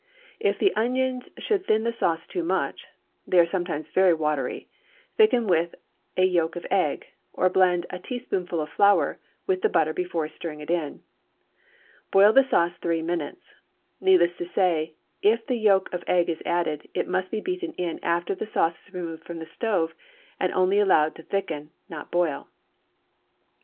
If the onions should thin the sauce too much (they are sometimes very watery), thicken with a yolk of egg, or blend a teaspoonful of flour with the butter before stirring it in. Boil the sauce three minutes. Needless to say, if the yolk of egg is added, it must be beaten in after the sauce is removed from the stove, and only allowed to thicken, not boil.